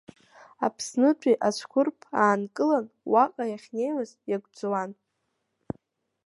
Аԥснытәи ацәқәырԥ аанкылан, уаҟа иахьнеиуаз иагәӡуан.